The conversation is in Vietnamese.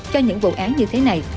cho những vụ án như thế này